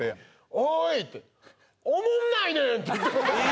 「おーい！」って「おもんないねん！」って言って。